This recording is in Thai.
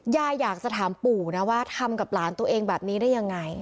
อยากจะถามปู่นะว่าทำกับหลานตัวเองแบบนี้ได้ยังไง